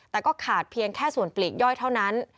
แต่ก็ขาดเพียงแค่ส่วนปลีกย่อยเท่านั้น